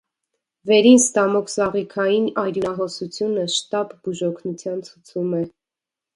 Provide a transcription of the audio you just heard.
Վերին ստամոքսաղիքային արյունահոսությունը շտապ բուժօգնության ցուցում է։